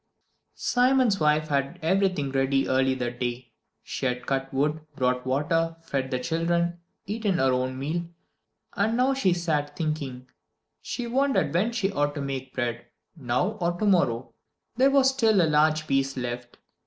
III Simon's wife had everything ready early that day. She had cut wood, brought water, fed the children, eaten her own meal, and now she sat thinking. She wondered when she ought to make bread: now or tomorrow? There was still a large piece left.